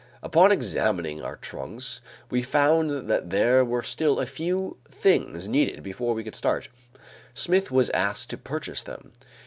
Upon examining our trunks, we found that there were still a few things needed before we could start; Smith was asked to purchase them.